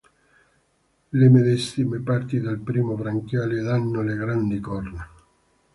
Le medesime parti del primo branchiale danno le grandi corna.